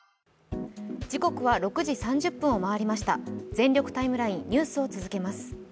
「全力ＴＩＭＥライン」ニュースを続けます。